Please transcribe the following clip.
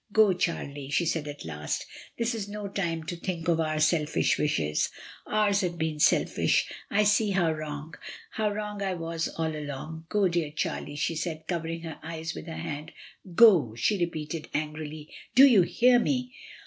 "Go, Charlie," she said at last. "This is no 3* 36 MRS. DYMOND. time to think of our selfish wishes; ours have been selfish. I see how wrong — ^how wrong I was all along. Go, dear Charlie ," she said, covering her eyes with her hand. "Go," she repeated angrily. "Do you hear me?"